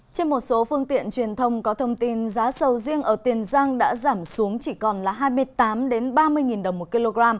trên một số phương tiện truyền thông có thông tin giá sầu riêng ở tiền giang đã giảm xuống chỉ còn là hai mươi tám ba mươi đồng một kg